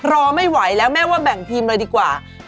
รอไม่ไหวแล้วแม่ว่าแบ่งทีมเลยดีกว่า